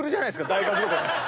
大学とかの。